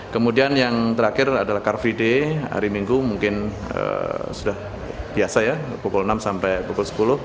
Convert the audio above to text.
kemudian yang terakhir adalah car free day hari minggu mungkin sudah biasa ya pukul enam sampai pukul sepuluh